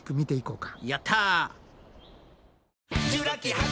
やった。